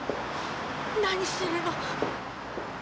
何するの？